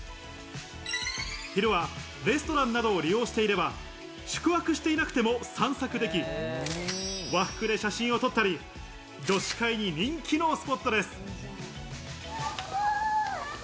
昼はレストランなどを利用していれば宿泊していなくても散策でき、和服で写真を撮ったり、女子会に人気のスポットです。